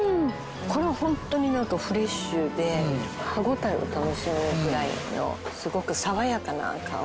これホントにフレッシュで歯応えを楽しむぐらいのすごく爽やかな香り。